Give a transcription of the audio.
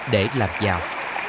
để làm giàu